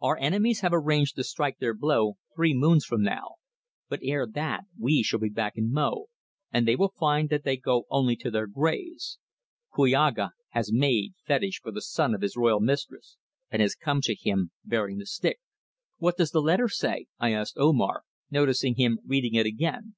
Our enemies have arranged to strike their blow three moons from now, but ere that we shall be back in Mo, and they will find that they go only to their graves. Kouaga has made fetish for the son of his royal mistress, and has come to him bearing the stick." "What does the letter say?" I asked Omar, noticing him reading it again.